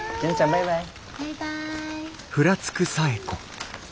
バイバイ。